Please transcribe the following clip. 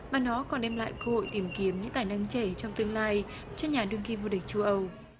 mà nó còn đem lại cơ hội tìm kiếm những tài năng trẻ trong tương lai cho nhà đương kỳ vua địch chúa âu